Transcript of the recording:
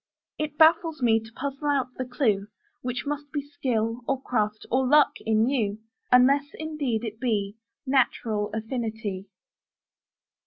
It baffles me to puzzle out the clue, Which must be skill, or craft, or luck in you: Unless, indeed, it be Natural affinity.